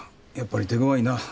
やっぱり手ごわいな。